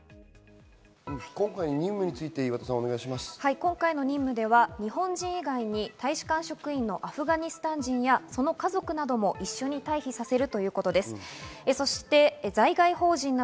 今回の任務では日本人以外に大使館職員、アフガニスタン人やその家族なども一緒に退避させるということです。